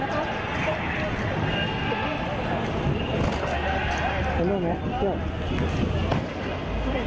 เพราะตอนนี้ก็ไม่มีเวลาให้เข้าไปที่นี่